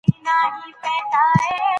موږ ادبي څېړني ته اړتیا لرو.